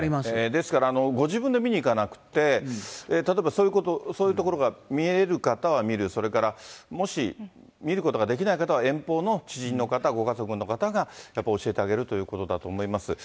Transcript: ですから、ご自分で見にいかなくて、例えばそういう所が見える方は見る、それからもし見ることができない方は遠方の知人の方、ご家族の方が教えてあげるということだと思います。